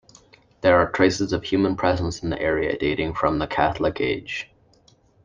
There are traces of human presence in the area dating from the Chalcolithic age.